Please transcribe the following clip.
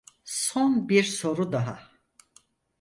Son bir soru daha.